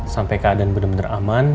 sampai keadaan bener bener aman